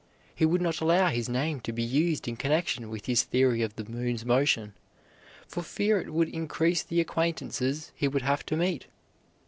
He would not allow his name to be used in connection with his theory of the moon's motion, for fear it would increase the acquaintances he would have to meet.